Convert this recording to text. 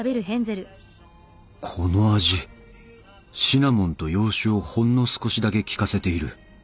シナモンと洋酒をほんの少しだけ効かせている。